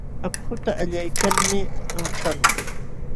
Akhuta allaykalmi awchaqlun.